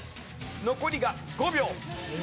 残りが５秒。